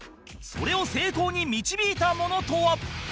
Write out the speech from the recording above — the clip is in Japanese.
それを成功に導いたものとは？